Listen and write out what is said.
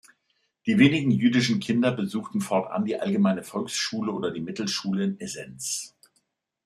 Die wenigen jüdischen Kinder besuchten fortan die allgemeine Volksschule oder die Mittelschule in Esens.